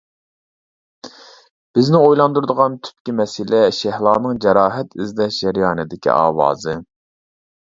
بىزنى ئويلاندۇرىدىغان تۈپكى مەسىلە شەھلانىڭ جاراھەت ئىزدەش جەريانىدىكى ئاۋازى!